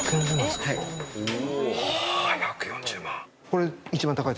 １４０万。